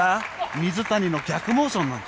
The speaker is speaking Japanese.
水谷の逆モーション。